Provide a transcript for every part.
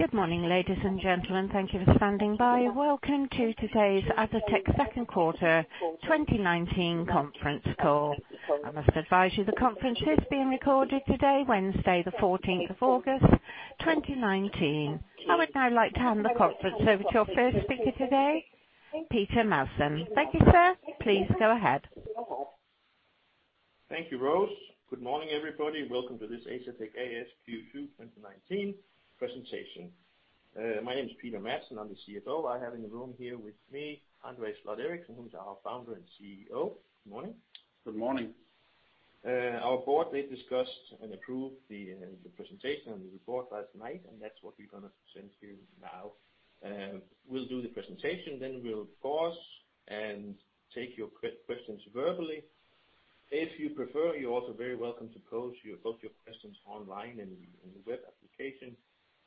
Good morning, ladies and gentlemen. Thank you for standing by. Welcome to today's Asetek second quarter 2019 conference call. I must advise you the conference is being recorded today, Wednesday the 14th of August, 2019. I would now like to hand the conference over to your first speaker today, Peter Madsen. Thank you, sir. Please go ahead. Thank you, Rose. Good morning, everybody, welcome to this Asetek A/S Q2 2019 presentation. My name is Peter Madsen, I'm the CFO. I have in the room here with me, André Sloth Eriksen, who is our founder and CEO. Good morning. Good morning. Our board, they discussed and approved the presentation and the report last night. That's what we're going to present to you now. We'll do the presentation. We'll pause and take your questions verbally. If you prefer, you're also very welcome to post both your questions online in the web application.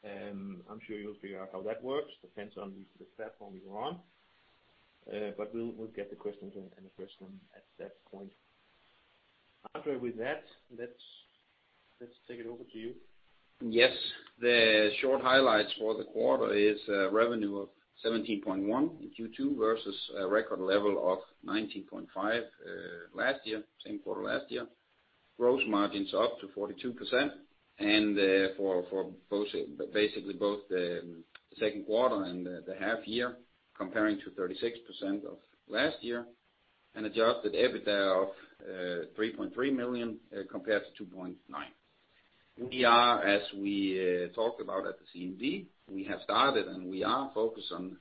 I'm sure you'll figure out how that works. Depends on the platform you're on. We'll get the questions in the first one at that point. Anders, with that, let's take it over to you. Yes. The short highlights for the quarter is revenue of $17.1 million in Q2 versus a record level of $19.5 million same quarter last year. Gross margins up to 42% and for basically both the second quarter and the half year comparing to 36% of last year. Adjusted EBITDA of $3.3 million compared to $2.9 million. We are, as we talked about at the CMD, we have started and we are focused on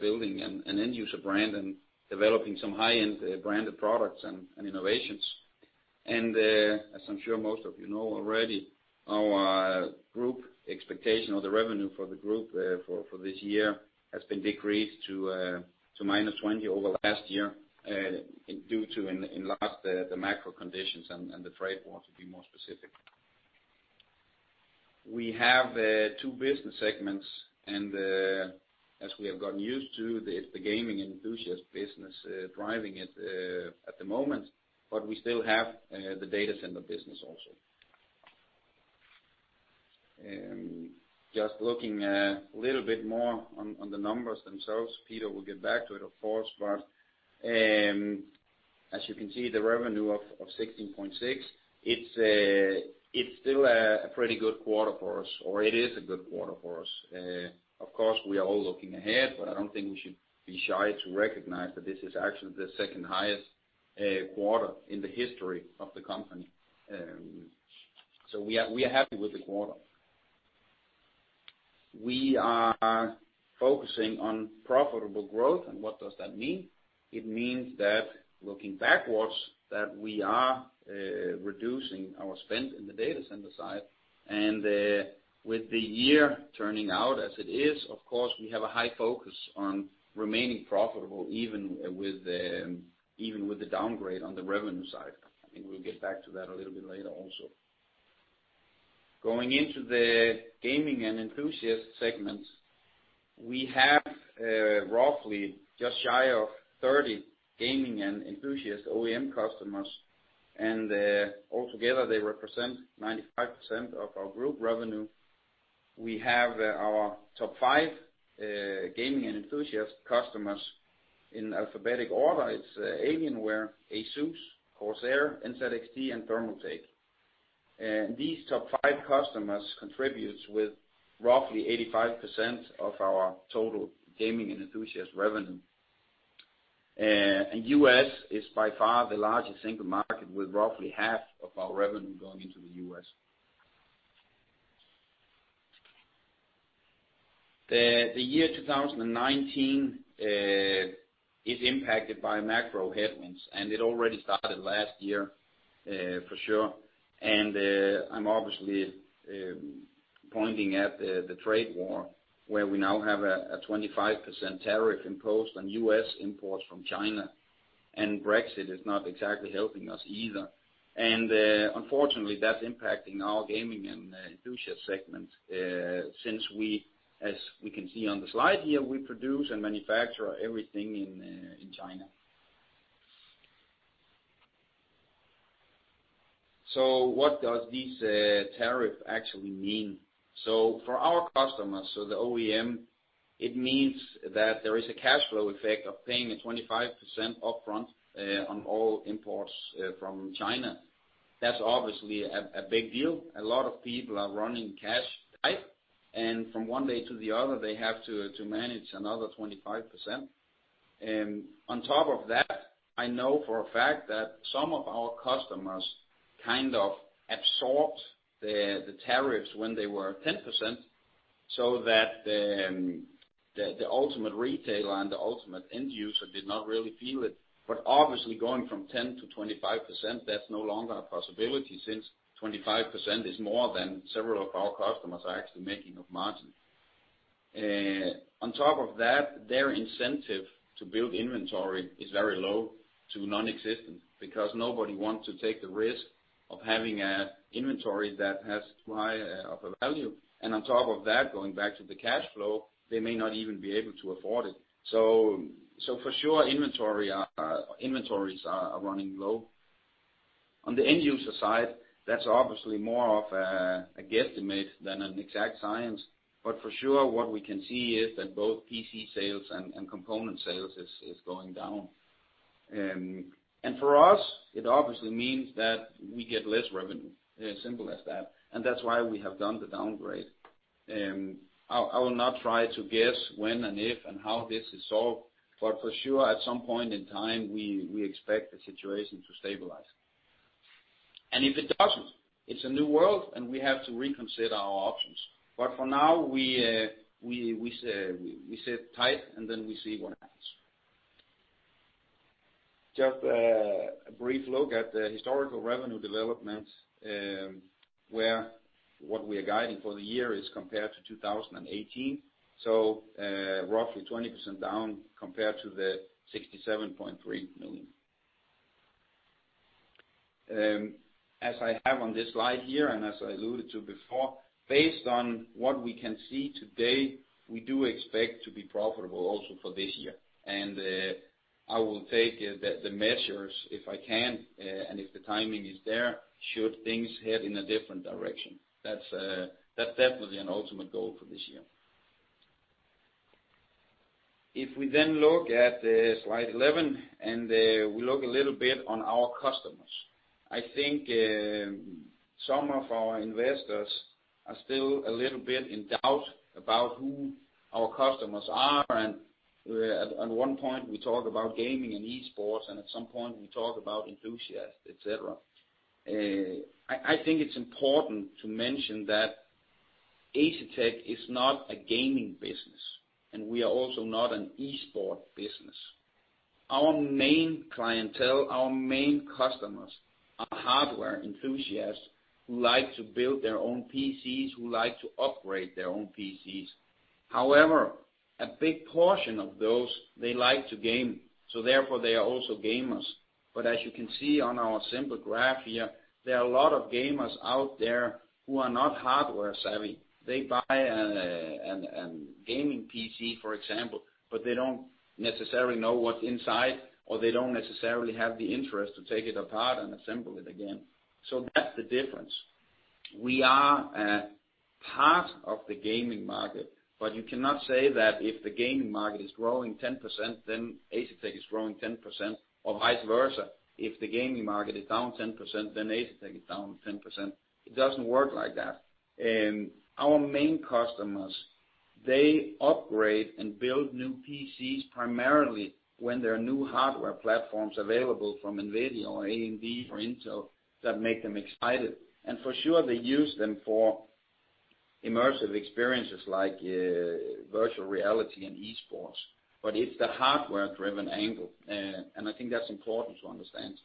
building an end-user brand and developing some high-end branded products and innovations. As I'm sure most of you know already, our group expectation of the revenue for the group for this year has been decreased to -20% over last year due to the macro conditions and the trade war, to be more specific. We have two business segments. As we have gotten used to, it's the Gaming and Enthusiast business driving it at the moment, but we still have the Data Center business also. Just looking a little bit more on the numbers themselves. Peter will get back to it, of course. As you can see, the revenue of $16.6, it's still a pretty good quarter for us, or it is a good quarter for us. Of course, we are all looking ahead. I don't think we should be shy to recognize that this is actually the second highest quarter in the history of the company. We are happy with the quarter. We are focusing on profitable growth. What does that mean? It means that looking backwards, that we are reducing our spend in the data center side and with the year turning out as it is, of course, we have a high focus on remaining profitable even with the downgrade on the revenue side. I think we'll get back to that a little bit later also. Going into the Gaming and Enthusiast segments, we have roughly just shy of 30 Gaming and Enthusiast OEM customers, and altogether they represent 95% of our group revenue. We have our top five Gaming and Enthusiast customers in alphabetic order. It's Alienware, ASUS, Corsair, NZXT, and Thermaltake. These top five customers contributes with roughly 85% of our total Gaming and Enthusiast revenue. U.S. is by far the largest single market with roughly half of our revenue going into the U.S. The year 2019 is impacted by macro headwinds, and it already started last year for sure. I'm obviously pointing at the trade war where we now have a 25% tariff imposed on U.S. imports from China, and Brexit is not exactly helping us either. Unfortunately, that's impacting our Gaming and Enthusiast segment since we, as we can see on the slide here, we produce and manufacture everything in China. What does this tariff actually mean? For our customers, the OEM, it means that there is a cash flow effect of paying a 25% upfront on all imports from China. That's obviously a big deal. A lot of people are running cash tight, and from one day to the other, they have to manage another 25%. On top of that, I know for a fact that some of our customers kind of absorbed the tariffs when they were 10%, so that the ultimate retailer and the ultimate end user did not really feel it. Obviously going from 10% to 25%, that's no longer a possibility since 25% is more than several of our customers are actually making of margin. On top of that, their incentive to build inventory is very low to nonexistent because nobody wants to take the risk of having an inventory that has too high of a value. On top of that, going back to the cash flow, they may not even be able to afford it. For sure, inventories are running low. On the end user side, that's obviously more of a guesstimate than an exact science. For sure, what we can see is that both PC sales and component sales is going down. For us, it obviously means that we get less revenue. Simple as that. That's why we have done the downgrade. I will not try to guess when and if and how this is solved, but for sure, at some point in time, we expect the situation to stabilize. If it doesn't, it's a new world, and we have to reconsider our options. For now, we sit tight, and then we see what happens. Just a brief look at the historical revenue development, where what we are guiding for the year is compared to 2018. Roughly 20% down compared to the $67.3 million. As I have on this slide here, and as I alluded to before, based on what we can see today, we do expect to be profitable also for this year. I will take the measures if I can and if the timing is there, should things head in a different direction. That's definitely an ultimate goal for this year. If we then look at slide 11, and we look a little bit on our customers. I think some of our investors are still a little bit in doubt about who our customers are, and at one point, we talk about gaming and e-sports, and at some point we talk about enthusiasts, et cetera. I think it's important to mention that Asetek is not a gaming business, and we are also not an e-sport business. Our main clientele, our main customers are hardware enthusiasts who like to build their own PCs, who like to upgrade their own PCs. A big portion of those, they like to game, therefore they are also gamers. As you can see on our simple graph here, there are a lot of gamers out there who are not hardware savvy. They buy a gaming PC, for example, they don't necessarily know what's inside, they don't necessarily have the interest to take it apart and assemble it again. That's the difference. We are a part of the gaming market, you cannot say that if the gaming market is growing 10%, Asetek is growing 10%, vice versa. If the gaming market is down 10%, Asetek is down 10%. It doesn't work like that. Our main customers, they upgrade and build new PCs primarily when there are new hardware platforms available from NVIDIA or AMD or Intel that make them excited. For sure, they use them for immersive experiences like virtual reality and eSports. It's the hardware-driven angle, and I think that's important to understand.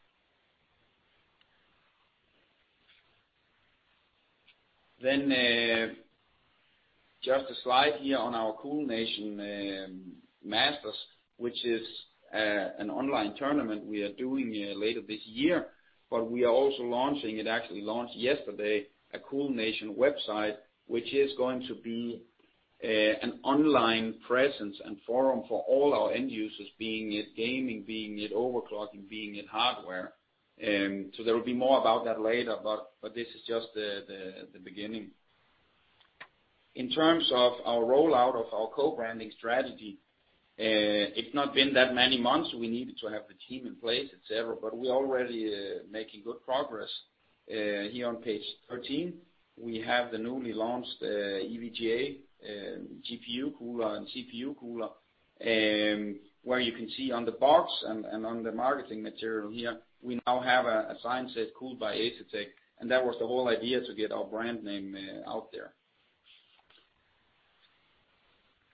Just a slide here on our CoolNation Masters, which is an online tournament we are doing later this year. We are also launching, it actually launched yesterday, a CoolNation website, which is going to be an online presence and forum for all our end users, be it gaming, be it overclocking, be it hardware. There will be more about that later, but this is just the beginning. In terms of our rollout of our co-branding strategy, it's not been that many months. We needed to have the team in place, et cetera. We're already making good progress. Here on page 13, we have the newly launched EVGA GPU cooler and CPU cooler, where you can see on the box and on the marketing material here, we now have a sign that says, "Cooled by Asetek." That was the whole idea to get our brand name out there.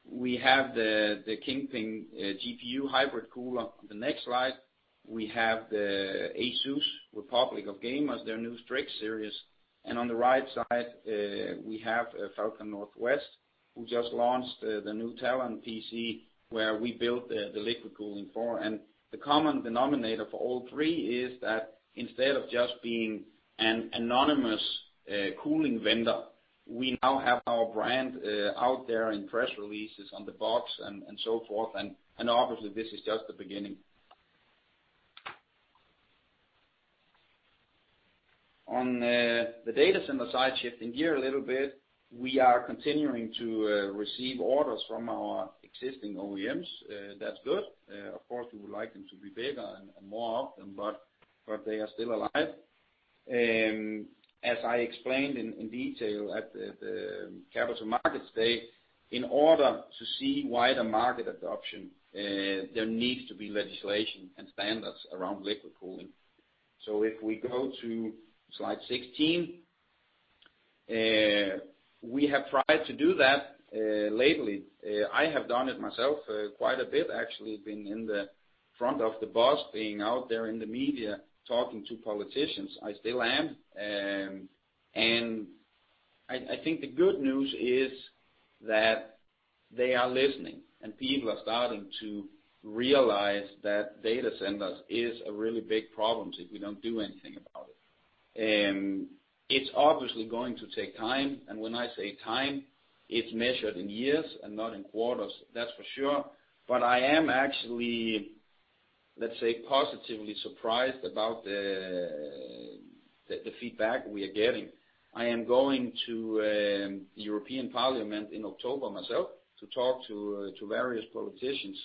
We have the Kingpin GPU hybrid cooler on the next slide. We have the ASUS Republic of Gamers, their new Strix series. On the right side, we have Falcon Northwest, who just launched the new Talon PC, where we built the liquid cooling for. The common denominator for all three is that instead of just being an anonymous cooling vendor, we now have our brand out there in press releases, on the box, and so forth, obviously, this is just the beginning. On the data center side, shifting gear a little bit, we are continuing to receive orders from our existing OEMs. That's good. Of course, we would like them to be bigger and more of them, they are still alive. As I explained in detail at the Capital Markets Day, in order to see wider market adoption, there needs to be legislation and standards around liquid cooling. If we go to slide 16, we have tried to do that lately. I have done it myself quite a bit, actually, been in the front of the bus, being out there in the media, talking to politicians. I still am. I think the good news is that they are listening, and people are starting to realize that data centers is a really big problem if we don't do anything about it. It's obviously going to take time, and when I say time, it's measured in years and not in quarters. That's for sure. I am actually, let's say, positively surprised about the feedback we are getting. I am going to the European Parliament in October myself to talk to various politicians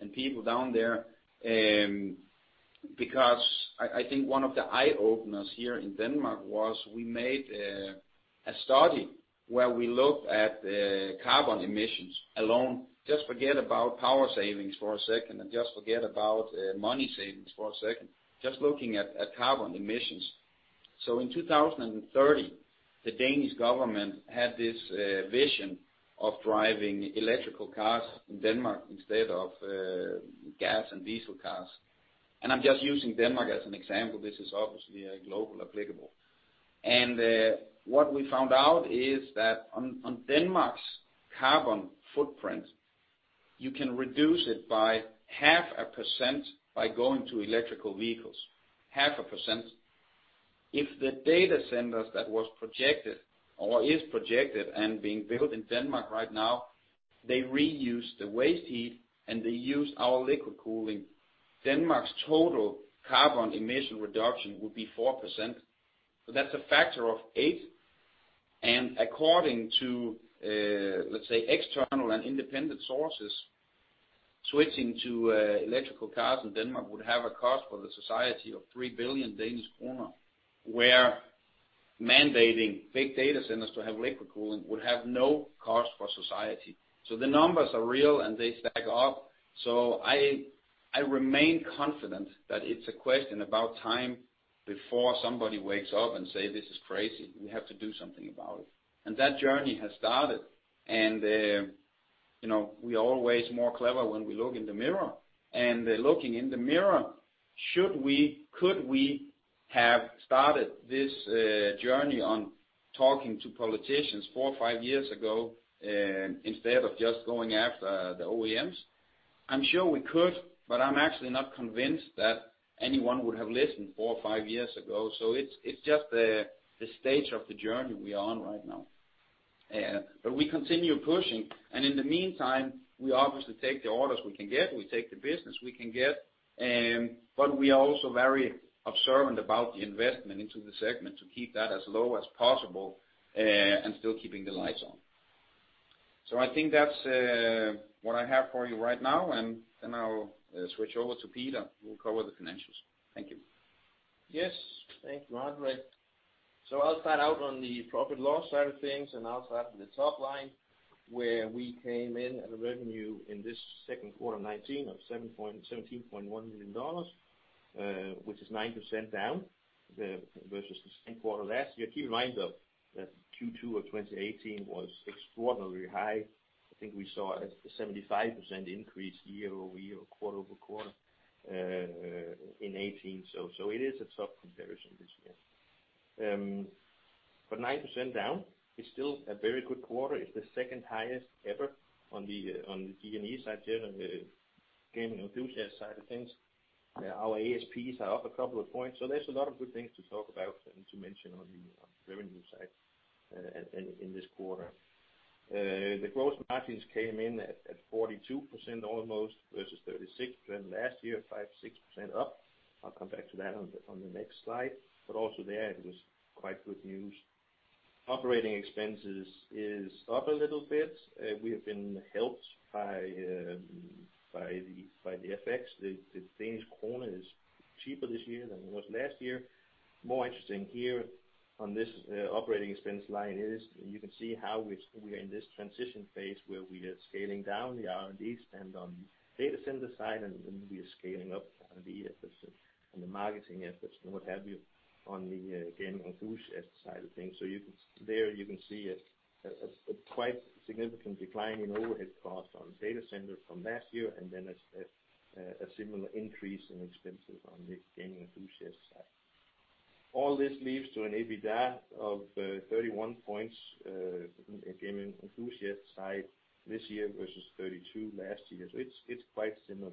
and people down there because I think one of the eye-openers here in Denmark was we made a study where we looked at the carbon emissions alone. Just forget about power savings for a second and just forget about money savings for a second, just looking at carbon emissions. In 2030, the Danish government had this vision of driving electrical cars in Denmark instead of gas and diesel cars. I'm just using Denmark as an example. This is obviously global applicable. What we found out is that on Denmark's carbon footprint, you can reduce it by half a % by going to electrical vehicles. Half a %. If the data centers that was projected or is projected and being built in Denmark right now, they reuse the waste heat and they use our liquid cooling, Denmark's total carbon emission reduction would be 4%. That's a factor of eight and according to, let's say, external and independent sources, switching to electrical cars in Denmark would have a cost for the society of 3 billion Danish kroner, where mandating big data centers to have liquid cooling would have no cost for society. The numbers are real, and they stack up. I remain confident that it's a question about time before somebody wakes up and say, "This is crazy. We have to do something about it." That journey has started, and we're always more clever when we look in the mirror, and looking in the mirror, could we have started this journey on talking to politicians four or five years ago instead of just going after the OEMs? I'm sure we could, but I'm actually not convinced that anyone would have listened four or five years ago. It's just the stage of the journey we are on right now. We continue pushing, and in the meantime, we obviously take the orders we can get, we take the business we can get, but we are also very observant about the investment into the segment to keep that as low as possible and still keeping the lights on. I think that's what I have for you right now, and then I'll switch over to Peter, who will cover the financials. Thank you. Yes. Thank you, André. I'll start out on the profit loss side of things, and I'll start at the top line, where we came in at a revenue in this second quarter of 2019 of $17.1 million, which is 9% down versus the same quarter last year. Keep in mind though that Q2 of 2018 was extraordinarily high. I think we saw a 75% increase year-over-year or quarter-over-quarter in 2018. It is a tough comparison this year. 9% down is still a very good quarter. It's the second highest ever on the G&E side there, on the Gaming and Enthusiast side of things. Our ASPs are up a couple of points, there's a lot of good things to talk about and to mention on the revenue side in this quarter. The gross margins came in at 42% almost versus 36% last year, 5%, 6% up. I'll come back to that on the next slide. Also there it was quite good news. Operating expenses is up a little bit. We have been helped by the FX, the Danish krone is cheaper this year than it was last year. More interesting here on this operating expense line is you can see how we're in this transition phase where we are scaling down the R&D spend on the data center side, and we are scaling up R&D efforts and the marketing efforts and what have you on the gaming enthusiast side of things. There you can see a quite significant decline in overhead costs on data center from last year, and then a similar increase in expenses on the gaming enthusiast side. All this leads to an EBITDA of 31 points in the Gaming and Enthusiast side this year versus 32 last year. It's quite similar.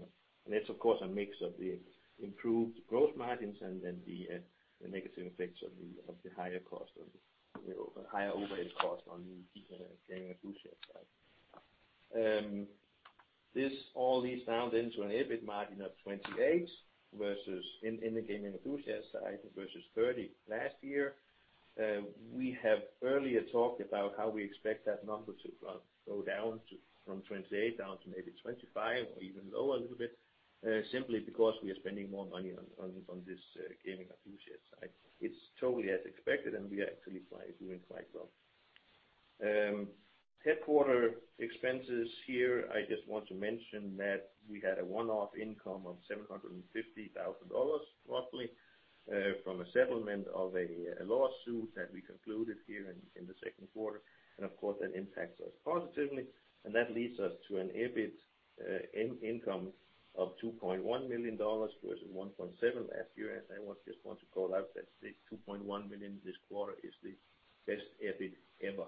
That's of course a mix of the improved growth margins and then the negative effects of the higher overhead costs on the Gaming and Enthusiast side. All this down into an EBIT margin of 28 in the Gaming and Enthusiast side versus 30 last year. We have earlier talked about how we expect that number to go down from 28 down to maybe 25 or even lower a little bit, simply because we are spending more money on this Gaming and Enthusiast side. It's totally as expected, we are actually doing quite well. Headquarter expenses here, I just want to mention that we had a one-off income of $750,000 roughly from a settlement of a lawsuit that we concluded here in the second quarter. Of course, that impacts us positively, and that leads us to an EBIT income of $2.1 million versus $1.7 million last year. I just want to call out that the $2.1 million this quarter is the best EBIT ever.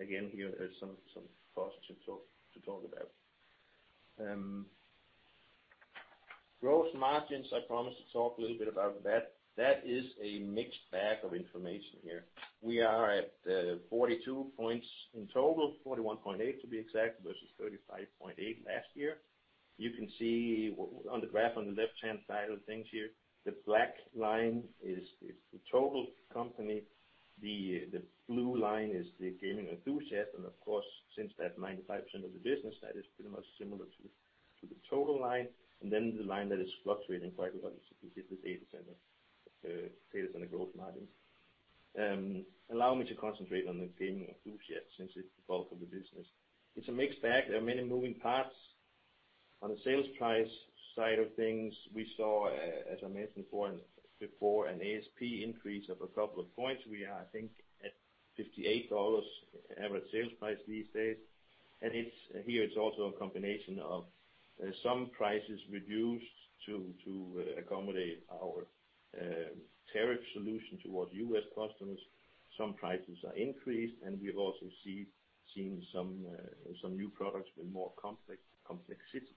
Again, here is some cause to talk about. Gross margins, I promised to talk a little bit about that. That is a mixed bag of information here. We are at 42 points in total, 41.8% to be exact, versus 35.8% last year. You can see on the graph on the left-hand side of things here, the black line is the total company. The blue line is the Gaming and Enthusiast, and of course, since that's 95% of the business, that is pretty much similar to the total line. Then the line that is fluctuating quite a lot is the data center gross margin. Allow me to concentrate on the Gaming and Enthusiast, since it's the bulk of the business. It's a mixed bag. There are many moving parts. On the sales price side of things, we saw, as I mentioned before, an ASP increase of a couple of points. We are, I think, at $58 average sales price these days. Here, it's also a combination of some prices reduced to accommodate our tariff solution towards U.S. customers. Some prices are increased, we've also seen some new products with more complexity,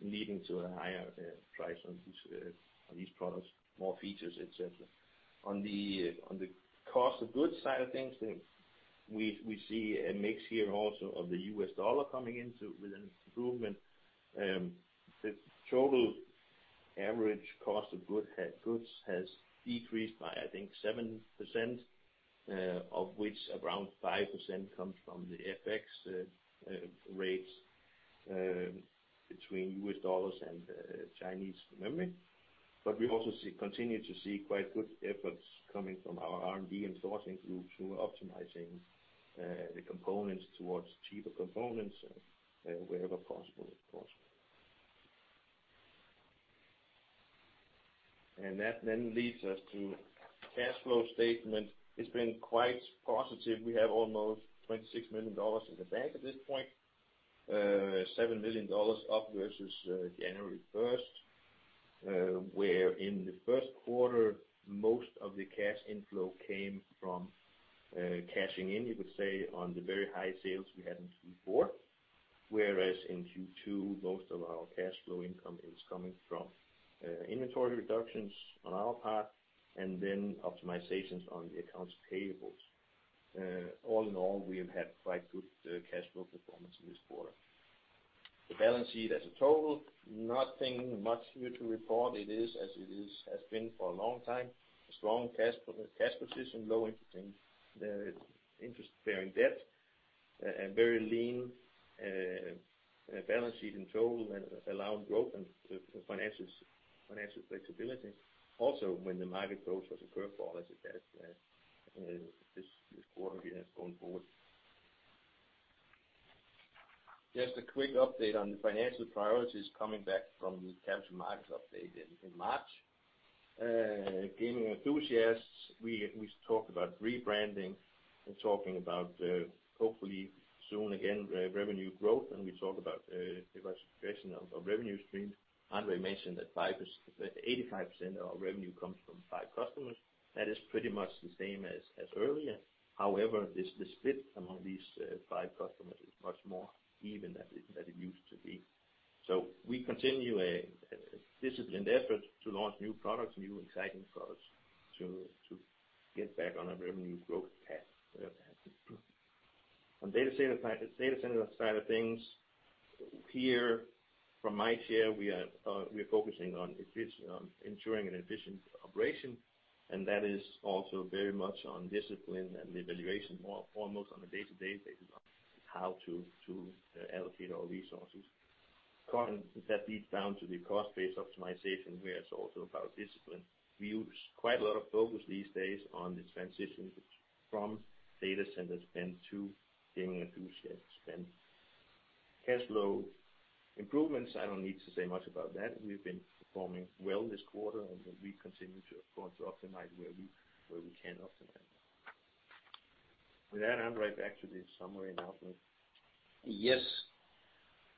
leading to a higher price on these products, more features, et cetera. On the cost of goods side of things, we see a mix here also of the U.S. dollar coming in with an improvement. The total average cost of goods has decreased by, I think, 7%, of which around 5% comes from the FX rates between U.S. dollars and Chinese renminbi. We also continue to see quite good efforts coming from our R&D and sourcing groups who are optimizing the components towards cheaper components wherever possible, of course. That then leads us to cash flow statement. It has been quite positive. We have almost $26 million in the bank at this point, $7 million up versus January 1st, where in the first quarter, most of the cash inflow came from cashing in, you could say, on the very high sales we had in Q4. Whereas in Q2, most of our cash flow income is coming from inventory reductions on our part, and then optimizations on the accounts payables. All in all, we have had quite good cash flow performance this quarter. The balance sheet as a total, nothing much here to report. It is as it has been for a long time. A strong cash position, low interest-bearing debt, and very lean balance sheet in total allowing growth and financial flexibility. Also, when the market goes for a curve ball as it has this quarter here going forward. Just a quick update on the financial priorities coming back from the capital markets update in March. Gaming enthusiasts, we talked about rebranding and talking about, hopefully soon again, revenue growth, and we talk about diversification of revenue streams. André mentioned that 85% of our revenue comes from five customers. That is pretty much the same as earlier. However, the split among these five customers is much more even than it used to be. We continue a disciplined effort to launch new products, new exciting products, to get back on a revenue growth path. On data center side of things, here from my chair, we are focusing on ensuring an efficient operation, that is also very much on discipline and evaluation, foremost on a day-to-day basis on how to allocate our resources. That leads down to the cost-based optimization, where it's also about discipline. We use quite a lot of focus these days on the transition from data center spend to gaming enthusiast spend. Cash flow improvements, I don't need to say much about that. We've been performing well this quarter, we continue, of course, to optimize where we can optimize. With that, André, back to the summary and outlook. Yes.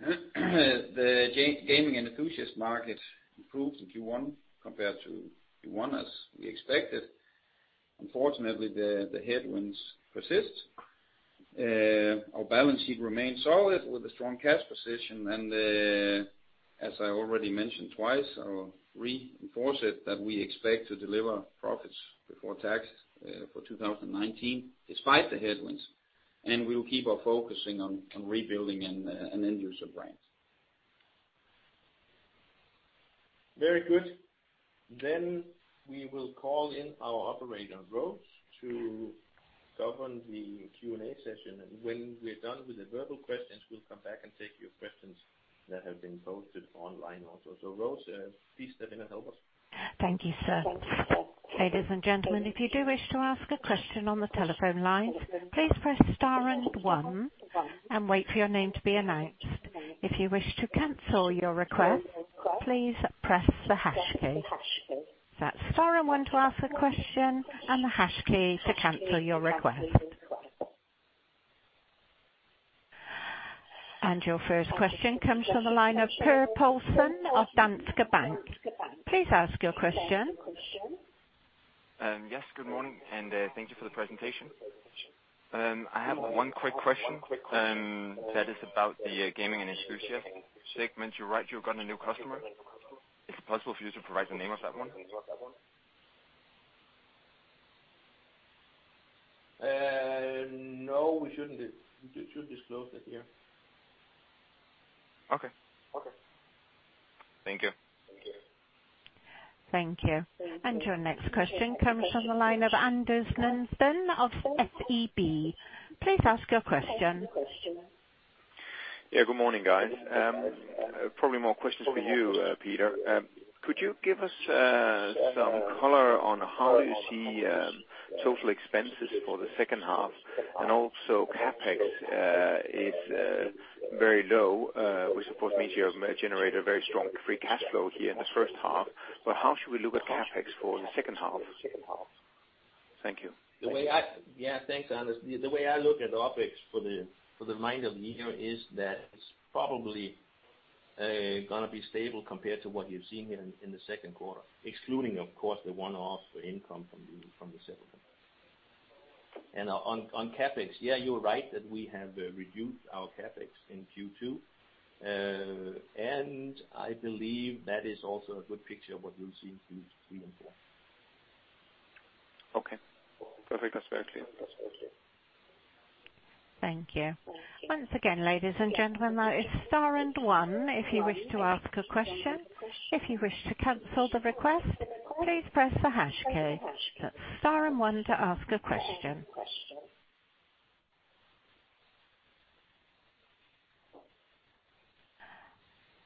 The gaming and enthusiast market improved in Q1 compared to Q1, as we expected. Unfortunately, the headwinds persist. Our balance sheet remains solid with a strong cash position, and as I already mentioned twice, I will reinforce it, that we expect to deliver profits before tax for 2019 despite the headwinds. We will keep our focus on rebuilding an end-user brand. Very good. We will call in our operator, Rose, to govern the Q&A session. When we're done with the verbal questions, we'll come back and take your questions that have been posted online also. Rose, please step in and help us. Thank you, sir. Ladies and gentlemen, if you do wish to ask a question on the telephone line, please press star and one and wait for your name to be announced. If you wish to cancel your request, please press the hash key. That's star and one to ask a question, and the hash key to cancel your request. Your first question comes from the line of Per Paulsen of Danske Bank. Please ask your question. Yes, good morning, thank you for the presentation. I have one quick question that is about the Gaming and Enthusiast segment. You write you've gotten a new customer. Is it possible for you to provide the name of that one? No, we shouldn't disclose that here. Okay. Thank you. Thank you. Your next question comes from the line of Anders Lundsten of SEB. Please ask your question. Yeah, good morning, guys. Probably more questions for you, Peter. Could you give us some color on how you see total expenses for the second half? Also, CapEx is very low, which would generate a very strong free cash flow here in this first half. How should we look at CapEx for the second half? Thank you. Yeah. Thanks, Anders. The way I look at OpEx for the rest of the year is that it's probably going to be stable compared to what you've seen in the second quarter, excluding, of course, the one-off income from the settlement. On CapEx, yeah, you're right that we have reduced our CapEx in Q2. I believe that is also a good picture of what you'll see in Q3 and four. Okay. Perfect. That's very clear. Thank you. Once again, ladies and gentlemen, that is star and one if you wish to ask a question. If you wish to cancel the request, please press the hash key. That's star and one to ask a question.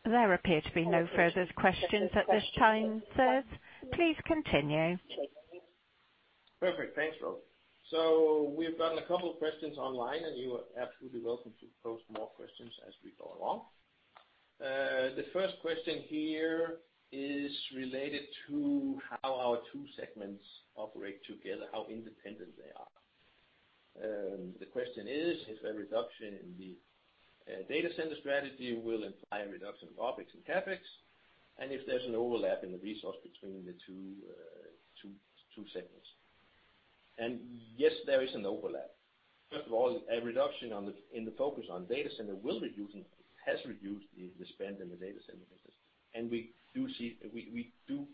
There appear to be no further questions at this time, sir. Please continue. Perfect. Thanks, Rose. We've gotten a couple of questions online, and you are absolutely welcome to post more questions as we go along. The first question here is related to how our two segments operate together, how independent they are. The question is: If a reduction in the data center strategy will imply a reduction in OpEx and CapEx, and if there's an overlap in the resource between the two segments. Yes, there is an overlap. First of all, a reduction in the focus on data center has reduced the spend in the data center business. We do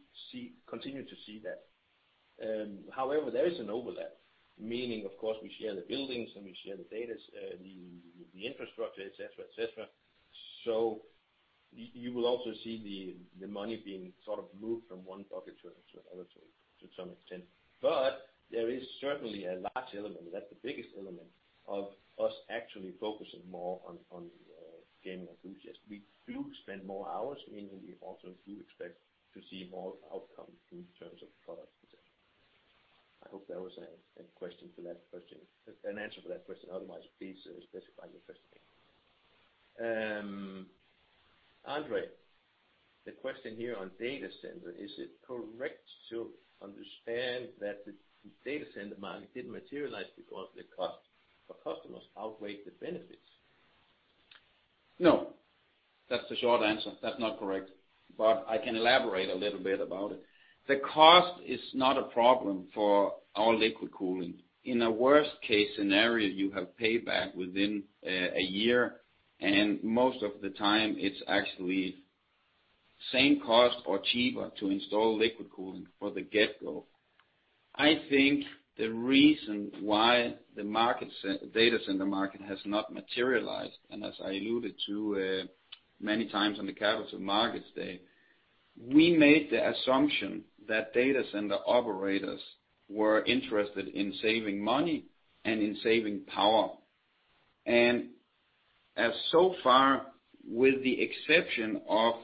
continue to see that. However, there is an overlap, meaning, of course, we share the buildings and we share the infrastructure, et cetera. You will also see the money being sort of moved from one bucket to another, to some extent. There is certainly a large element, that the biggest element of us actually focusing more on gaming solutions. We do spend more hours, meaning we also do expect to see more outcome in terms of products, et cetera. I hope that was an answer for that question. Otherwise, please specify your question again. André, the question here on data center, is it correct to understand that the data center demand didn't materialize because the cost for customers outweighed the benefits? No. That's the short answer. That's not correct, but I can elaborate a little bit about it. The cost is not a problem for our liquid cooling. In a worst-case scenario, you have payback within a year, and most of the time it's actually same cost or cheaper to install liquid cooling for the get-go. I think the reason why the data center market has not materialized, and as I alluded to many times on the Capital Markets Day, we made the assumption that data center operators were interested in saving money and in saving power. As so far, with the exception of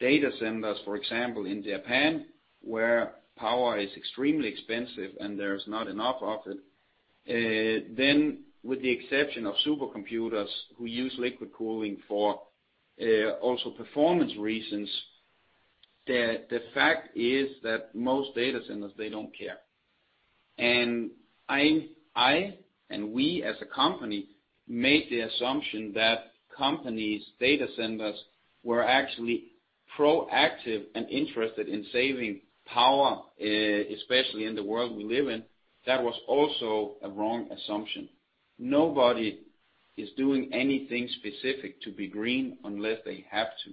data centers, for example, in Japan, where power is extremely expensive and there's not enough of it, then with the exception of supercomputers who use liquid cooling for also performance reasons, the fact is that most data centers, they don't care. I, and we as a company, made the assumption that companies, data centers, were actually proactive and interested in saving power, especially in the world we live in. That was also a wrong assumption. Nobody is doing anything specific to be green unless they have to.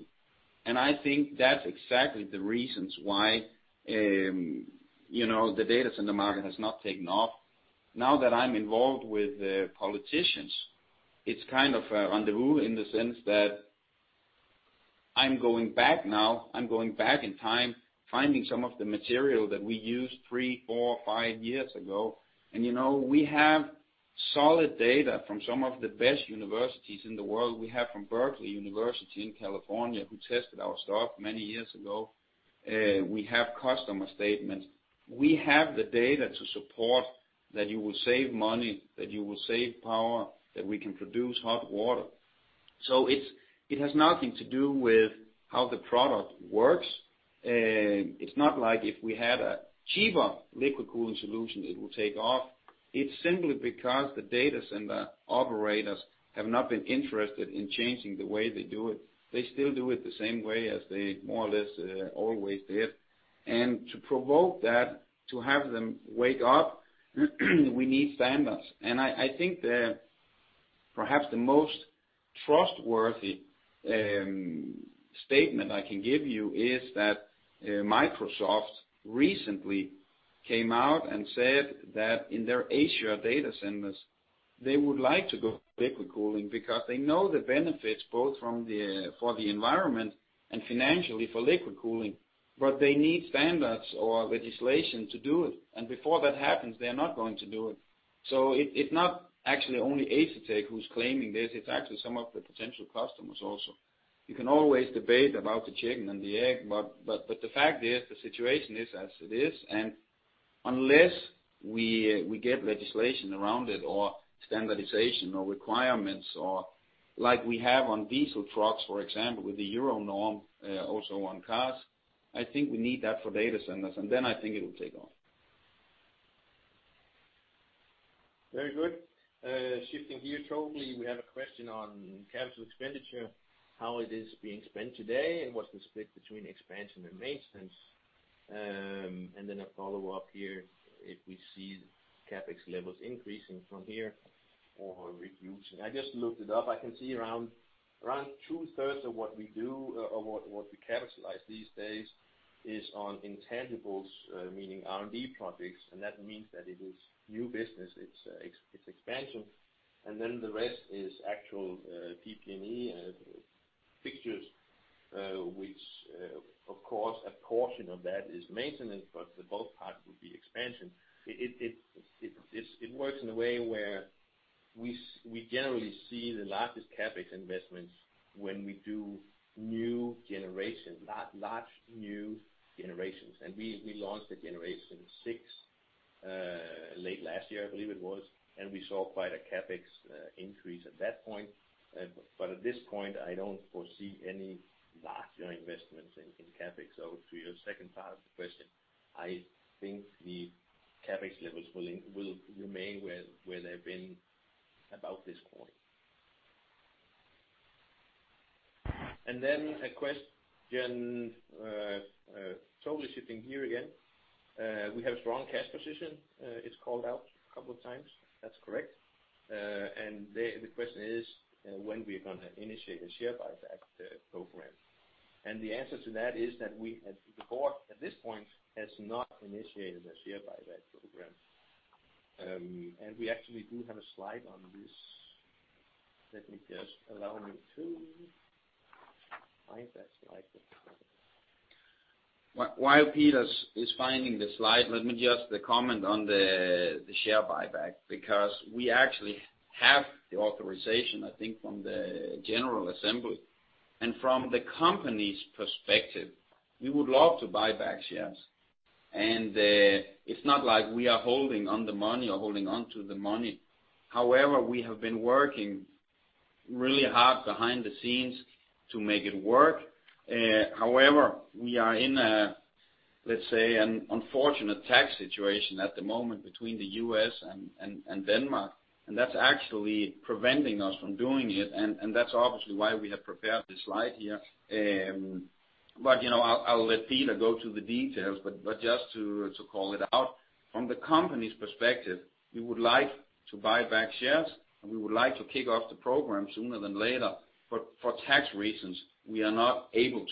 I think that's exactly the reasons why the data center market has not taken off. Now that I'm involved with politicians, it's kind of a rendezvous in the sense that I'm going back now, I'm going back in time, finding some of the material that we used three, four, five years ago. We have solid data from some of the best universities in the world. We have from University of California, Berkeley, who tested our stuff many years ago. We have customer statements. We have the data to support that you will save money, that you will save power, that we can produce hot water. It has nothing to do with how the product works. It's not like if we had a cheaper liquid cooling solution, it will take off. It's simply because the data center operators have not been interested in changing the way they do it. They still do it the same way as they more or less always did. To provoke that, to have them wake up, we need standards. I think that perhaps the most trustworthy statement I can give you is that Microsoft recently came out and said that in their Asia data centers, they would like to go liquid cooling because they know the benefits both for the environment and financially for liquid cooling. They need standards or legislation to do it, and before that happens, they're not going to do it. It's not actually only Asetek who's claiming this, it's actually some of the potential customers also. You can always debate about the chicken and the egg, but the fact is, the situation is as it is, and unless we get legislation around it or standardization or requirements or like we have on diesel trucks, for example, with the Euro norms, also on cars, I think we need that for data centers and then I think it will take off. Very good. Shifting gears totally, we have a question on capital expenditure, how it is being spent today, and what's the split between expansion and maintenance. Then a follow-up here, if we see CapEx levels increasing from here or reducing. I just looked it up. I can see around two-thirds of what we do or what we capitalize these days is on intangibles, meaning R&D projects, and that means that it is new business, it's expansion, and then the rest is actual PP&E fixtures, which of course, a portion of that is maintenance, but the bulk part would be expansion. It works in a way where we generally see the largest CapEx investments when we do new generation, large new generations. We launched the generation six, late last year, I believe it was, and we saw quite a CapEx increase at that point. At this point, I don't foresee any larger investments in CapEx. To your second part of the question, I think the CapEx levels will remain where they've been about this quarter. A question, totally shifting gear again. We have strong cash position, it's called out a couple of times. That's correct. The question is, when we're going to initiate a share buyback program. The answer to that is that the board, at this point, has not initiated a share buyback program. We actually do have a slide on this. Allow me to find that slide. While Peter is finding the slide, let me just comment on the share buyback, because we actually have the authorization, I think from the general assembly. From the company's perspective, we would love to buy back shares. It's not like we are holding on the money or holding onto the money. We have been working really hard behind the scenes to make it work. We are in a, let's say, an unfortunate tax situation at the moment between the U.S. and Denmark, and that's actually preventing us from doing it. That's obviously why we have prepared this slide here. I'll let Peter go to the details. Just to call it out, from the company's perspective, we would like to buy back shares, and we would like to kick off the program sooner than later. For tax reasons, we are not able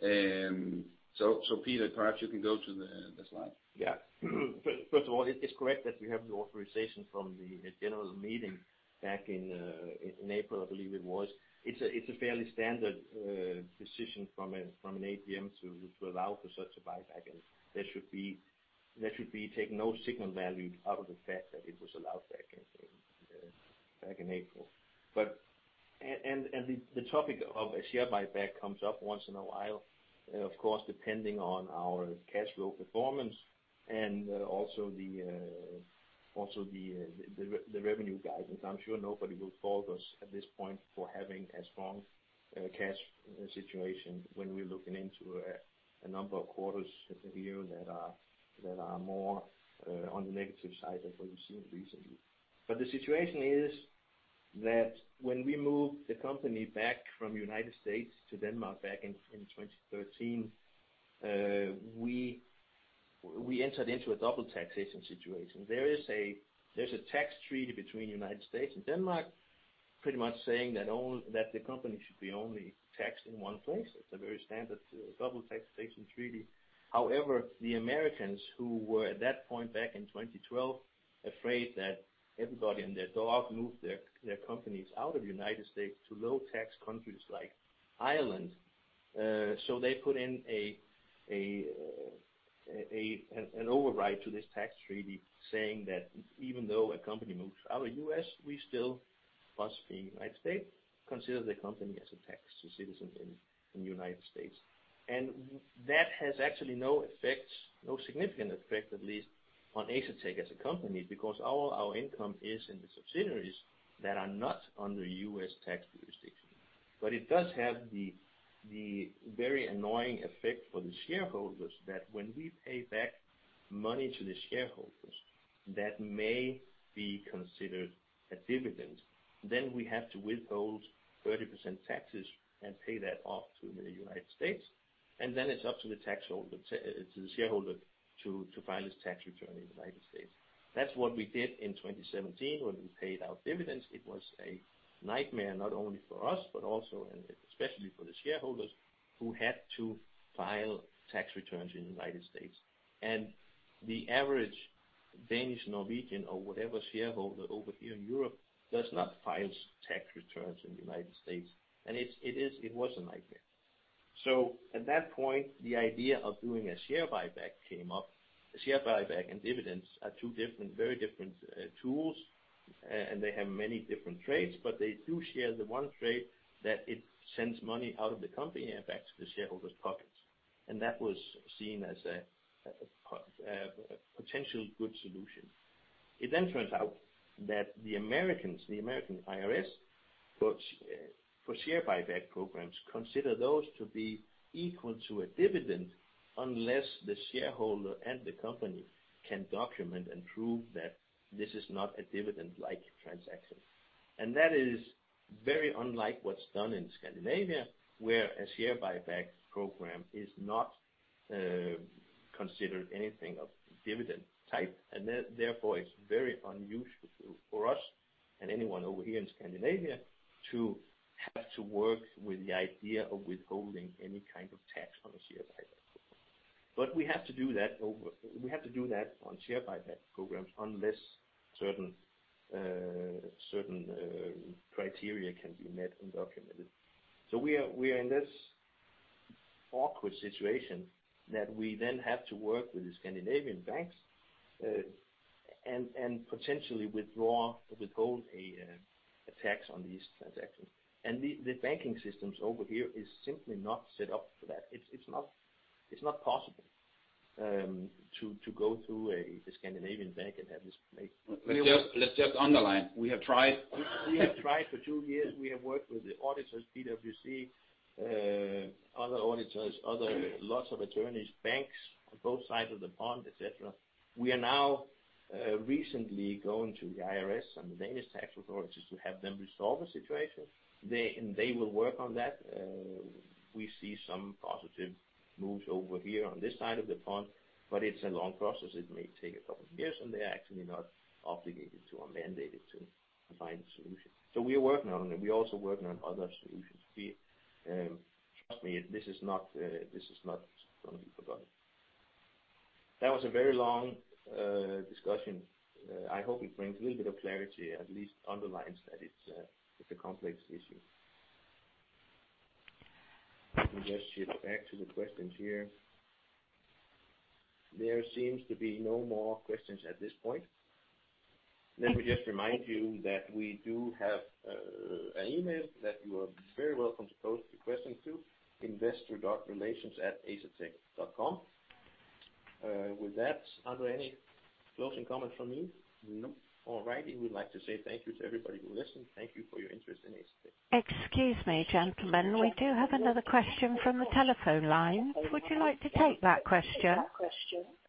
to. Peter, perhaps you can go to the slide. Yeah. First of all, it's correct that we have the authorization from the general meeting back in April, I believe it was. It's a fairly standard decision from an AGM to allow for such a buyback, there should be take no signal value out of the fact that it was allowed back in April. The topic of a share buyback comes up once in a while, of course, depending on our cash flow performance and also the revenue guidance. I'm sure nobody will fault us at this point for having a strong cash situation when we're looking into a number of quarters of the year that are more on the negative side of what we've seen recently. The situation is that when we moved the company back from U.S. to Denmark back in 2013, we entered into a double taxation situation. There's a tax treaty between United States and Denmark, pretty much saying that the company should be only taxed in one place. It's a very standard double taxation treaty. The Americans, who were at that point back in 2012, afraid that everybody and their dog moved their companies out of United States to low tax countries like Ireland. They put in an override to this tax treaty saying that even though a company moves out of U.S., we still, plus the United States, consider the company as a tax citizen in the United States. That has actually no effects, no significant effect at least, on Asetek as a company because all our income is in the subsidiaries that are not under U.S. tax jurisdiction. It does have the very annoying effect for the shareholders that when we pay back money to the shareholders, that may be considered a dividend, then we have to withhold 30% taxes and pay that off to the United States, and then it's up to the shareholder to file his tax return in the United States. That's what we did in 2017 when we paid out dividends. It was a nightmare, not only for us, but also, and especially for the shareholders who had to file tax returns in the United States. The average Danish, Norwegian, or whatever shareholder over here in Europe does not file tax returns in the United States. It was a nightmare. At that point, the idea of doing a share buyback came up. A share buyback and dividends are two very different tools, and they have many different traits, but they do share the one trait that it sends money out of the company and back to the shareholders' pockets, and that was seen as a potential good solution. It then turns out that the Americans, the American IRS, for share buyback programs, consider those to be equal to a dividend unless the shareholder and the company can document and prove that this is not a dividend-like transaction. That is very unlike what's done in Scandinavia, where a share buyback program is not considered anything of dividend type. Therefore, it's very unusual for us and anyone over here in Scandinavia to have to work with the idea of withholding any kind of tax on a share buyback program. We have to do that on share buyback programs unless certain criteria can be met and documented. We are in this awkward situation that we then have to work with the Scandinavian banks, and potentially withdraw or withhold a tax on these transactions. The banking systems over here is simply not set up for that. It's not possible to go through a Scandinavian bank and have this made. Let's just underline. We have tried. We have tried for two years. We have worked with the auditors, PwC, other auditors, lots of attorneys, banks on both sides of the pond, et cetera. We are now recently going to the IRS and the Danish tax authorities to have them resolve the situation. They will work on that. We see some positive moves over here on this side of the pond, but it's a long process. It may take a couple of years, and they're actually not obligated to or mandated to find a solution. We are working on it. We're also working on other solutions. Trust me, this is not going to be forgotten. That was a very long discussion. I hope it brings a little bit of clarity, at least underlines that it's a complex issue. Let me just shift back to the questions here. There seems to be no more questions at this point. Let me just remind you that we do have an email that you are very welcome to pose the question to, investor.relations@asetek.com. With that, André, any closing comments from you? No. All righty. We'd like to say thank you to everybody who listened. Thank you for your interest in Asetek. Excuse me, gentlemen. We do have another question from the telephone line. Would you like to take that question?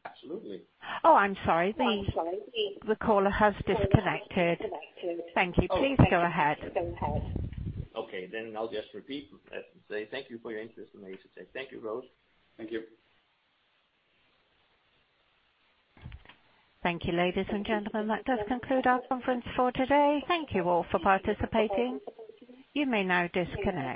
Absolutely. Oh, I'm sorry. The caller has disconnected. Thank you. Please go ahead. Okay, I'll just repeat and say thank you for your interest in Asetek. Thank you, Rose. Thank you. Thank you, ladies and gentlemen. That does conclude our conference for today. Thank you all for participating. You may now disconnect.